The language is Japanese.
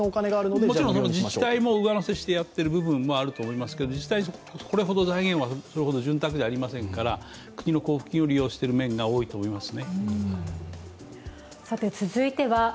自治体も上乗せしてやってるのもあると思いますが自治体、それほど財源は潤沢ではありませんから、国の交付金を利用している面が多いと思います。